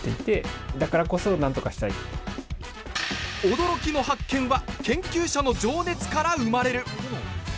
驚きの発見は研究者の情熱から生まれる！